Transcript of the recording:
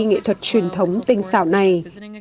nghệ thuật truyền thống tinh xảo này